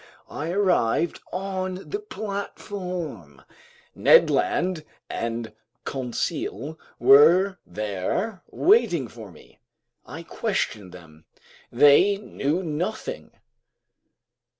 I arrived on the platform. Ned Land and Conseil were there waiting for me. I questioned them. They knew nothing.